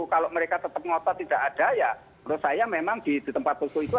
kalau mereka tetap ngotot tidak ada ya menurut saya memang di tempat posko itu